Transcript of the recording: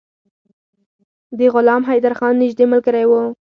د غلام حیدرخان نیژدې ملګری وو.